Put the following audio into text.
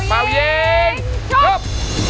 เปล่ายิงชุบ